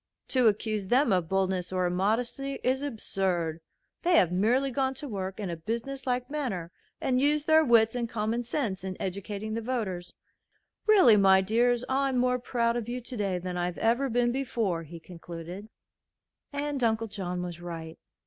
"To accuse them of boldness or immodesty is absurd. They have merely gone to work in a business like manner and used their wits and common sense in educating the voters. Really, my dears, I'm more proud of you today than I've ever been before," he concluded. And Uncle John was right.